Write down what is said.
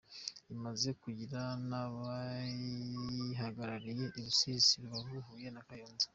Imaze kugira n’ abayihagarariye i Rusizi, Rubavu, Huye na Kayonza.